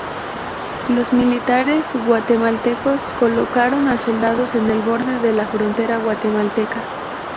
Los militares guatemaltecos colocaron a soldados en el borde de la frontera guatemalteca.